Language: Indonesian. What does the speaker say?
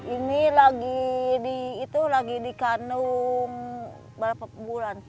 ini lagi dikandung berapa bulan